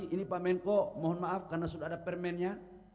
ini pak menko mohon maaf karena sudah ada permennya